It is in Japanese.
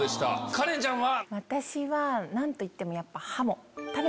カレンちゃんは？